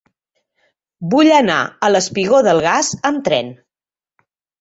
Vull anar al espigó del Gas amb tren.